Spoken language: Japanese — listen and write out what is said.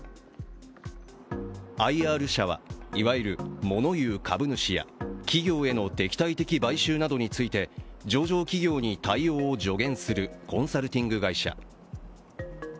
アイ・アール社は、いわゆるもの言う株主や企業への敵対的買収について上場企業に対応を助言するコンサルティング会社。